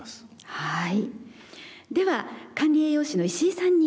はい。